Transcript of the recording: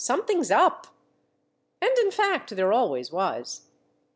some thing 's up!" And in fact there always was.